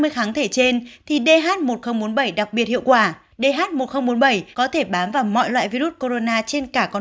hai mươi kháng thể trên thì dh một nghìn bốn mươi bảy đặc biệt hiệu quả dh một nghìn bốn mươi bảy có thể bám vào mọi loại virus corona trên cả con